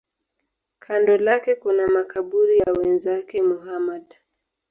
Kando lake kuna makaburi ya wenzake Muhammad.